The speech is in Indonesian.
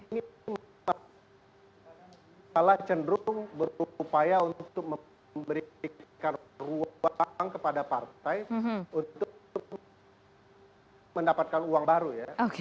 ini malah cenderung berupaya untuk memberikan ruang kepada partai untuk mendapatkan uang baru ya